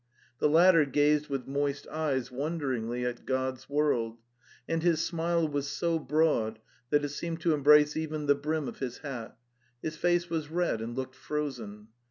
The latter gazed with moist eyes wonderingly at God's world, and his smile was so broad that it seemed to embrace even the brim of his hat; his face was red and looked' frozen.